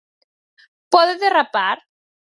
Pode derrapar?